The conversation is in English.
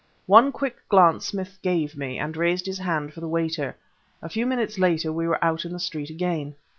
One quick glance Smith gave me, and raised his hand for the waiter. A few minutes later we were out in the street again.